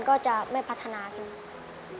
ขอต้อนรับครอบครัวน้องต้นไม้